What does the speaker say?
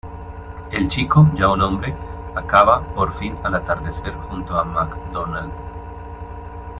El chico, ya un hombre, acaba por fin al atardecer junto a Macdonald.